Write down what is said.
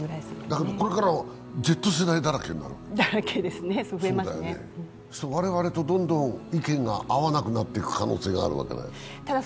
これからＺ世代だらけになる我々とどんどん意見が合わなくなっていく可能性があるわけだよ。